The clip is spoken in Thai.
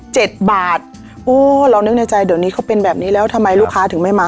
บาทโอ้เรานึกในใจเดี๋ยวนี้เขาเป็นแบบนี้แล้วทำไมลูกค้าถึงไม่มา